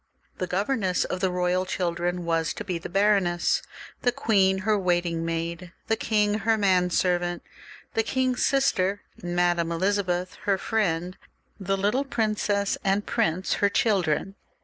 The governess of the royal children was to be the baroness, the queen her waiting maid, the king her man servant, the king's sister, Madame Elizabeth, her friend; the little princess and prince her' children.